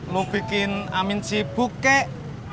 lo bikin amin sibuk kek